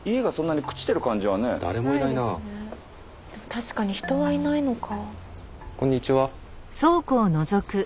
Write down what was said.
確かに人はいないのか。